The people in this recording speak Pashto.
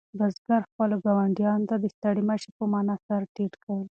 بزګر خپلو ګاونډیانو ته د ستړي مه شي په مانا سر ټیټ کړ.